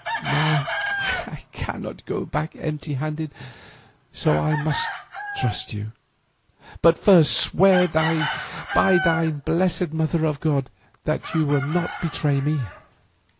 Now I cannot go back empty handed, so I must trust you. But first swear by thine blessed Mother of God that you will not betray me."